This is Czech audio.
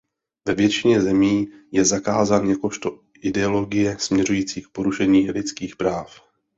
Ve většině zemí je zakázán jakožto ideologie směřující k porušování lidských práv.